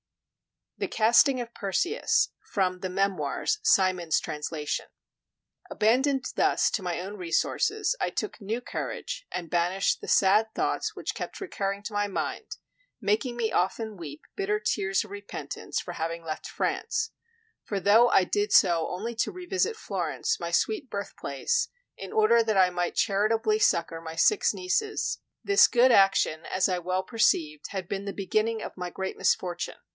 THE CASTING OF PERSEUS From the 'Memoirs': Symonds's Translation Abandoned thus to my own resources, I took new courage and banished the sad thoughts which kept recurring to my mind, making me often weep bitter tears of repentance for having left France; for though I did so only to revisit Florence, my sweet birthplace, in order that I might charitably succor my six nieces, this good action, as I well perceived, had been the beginning of my great misfortune.